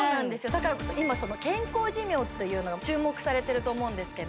だからこそ今健康寿命というのが注目されてると思うんですけど